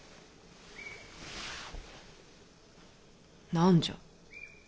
何じゃ。